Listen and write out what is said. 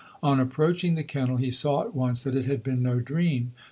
On approaching the kennel he saw at once that it had been no dream.